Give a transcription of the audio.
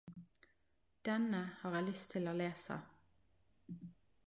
Denne har eg lyst til å lesa!